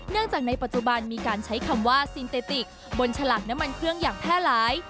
จากในปัจจุบันมีการใช้คำว่าซินเตติกบนฉลากน้ำมันเครื่องอย่างแพร่หลาย